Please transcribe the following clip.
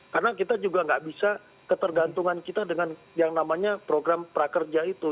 karena kita juga nggak bisa ketergantungan kita dengan yang namanya program prakerja itu